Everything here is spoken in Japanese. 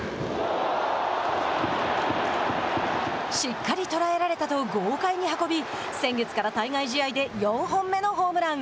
しっかり捉えられたと豪快に運び先月から対外試合で４本目のホームラン。